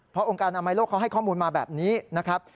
เพราะองค์การอนามัยโลกเขาให้ข้อมูลมาแบบนี้นะครับ